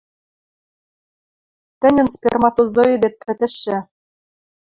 Тӹньӹн сперматозоидет пӹтӹшӹ...